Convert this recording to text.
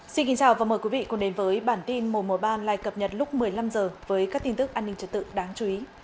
chào mừng quý vị đến với bản tin mùa ba lại cập nhật lúc một mươi năm h với các tin tức an ninh trật tự đáng chú ý